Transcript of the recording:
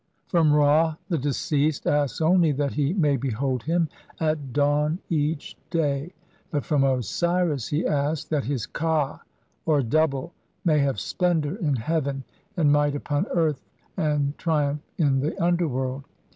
From Ra the deceased asks only that he may behold him "at dawn each day" (see p. 9), but from Osiris he asks (see p. 1 2) that his ka, or double, may have "splendour in heaven, and might upon earth, and triumph in the underworld".